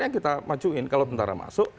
yang kita majuin kalau tentara masuk